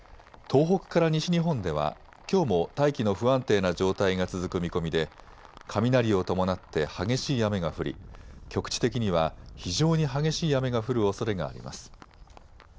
東北から西日本ではきょうも大気の不安定な状態が続く見込みで雷を伴って激しい雨が降り、局地的には非常に激しい雨が降るおそれがあります。